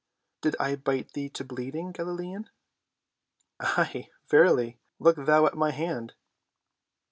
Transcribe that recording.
"Did I bite thee to bleeding, Galilean?" "Aye, verily, look thou at my hand."